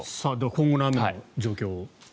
今後の雨の状況を。